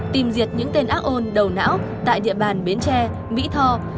tìm diệt những tên ác ôn đầu não tại địa bàn bến tre mỹ tho